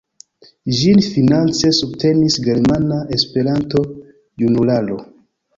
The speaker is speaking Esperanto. Ĝin finance subtenis Germana Esperanto-Junularo.